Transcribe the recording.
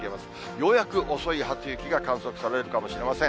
ようやく遅い初雪が観測されるかもしれません。